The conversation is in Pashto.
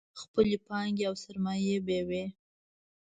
خپلې پانګې او سرمایې به یې وې.